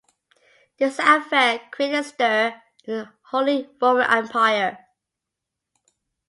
This affair created a stir in the Holy Roman Empire.